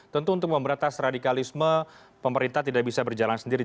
tentu untuk memberatas radikalisme pemerintah tidak bisa berjalan sendiri